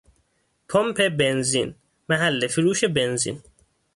پمپ بنزین، محل فروش بنزین